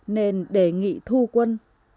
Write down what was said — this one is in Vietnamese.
nên đề nghị thu quân